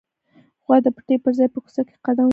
غوا د پټي پر ځای په کوڅه کې قدم واهه.